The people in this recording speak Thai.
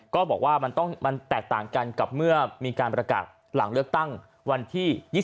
ก็บอกว่ามันต้องมันแตกต่างกันกับเมื่อมีการประกาศหลังเลือกตั้งวันที่๒๒